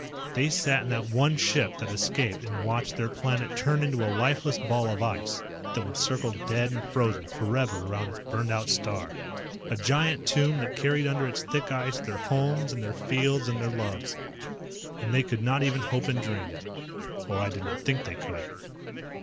They sat in that one ship that escaped and watched their planet turn into a lifeless ball of ice that would circle dead and frozen forever around its burned out star. A giant tomb that carried under its thick ice their homes and their fields and their loves. And they could not even hope and dream. Or I did not think they could.